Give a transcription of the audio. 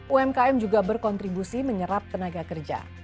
umkm juga berkontribusi menyerap tenaga kerja